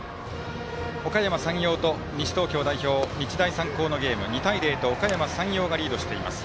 おかやま山陽と西東京代表、日大三高のゲーム２対０とおかやま山陽がリードしています。